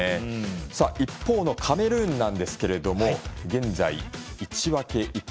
一方のカメルーンですが現在、１分け１敗。